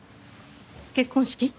結婚式？